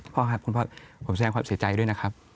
พ่อครับคุณพ่อผมแสดงความเสียใจด้วยนะครับ